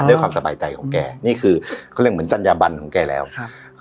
ด้วยความสบายใจของแกนี่คือเขาเรียกเหมือนจัญญาบันของแกแล้วครับ